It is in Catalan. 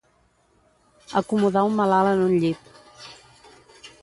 Acomodar un malalt en un llit.